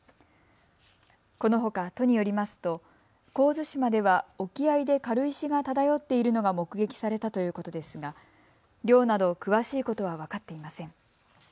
このほか都によりますと神津島では沖合で軽石が漂っているのが目撃されたということですが量など詳しいことは分かっていません。